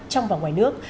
trong và ngoài nước